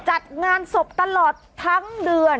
จัดงานศพตลอดทั้งเดือน